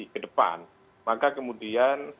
ke depan maka kemudian